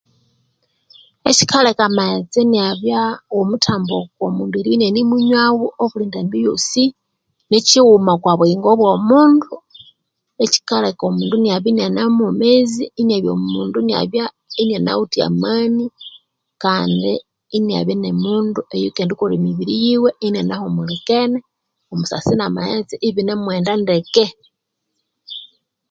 Ekyikaleka amaghetse inabya womuthambo okwa omundu eribya inanemunywawo obuli ndambi yosi, nikyiwuma okwa buyingo bwo mundu ekyikaleka omundu inabya inane mwomezi, inabya omundu inabya inanawithe amani kandi inabya ini mundu oyukendikolha emibiri yiwe inanahumulikene omusasi na maghetse ibinamughenda ndeke.